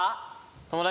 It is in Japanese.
友達？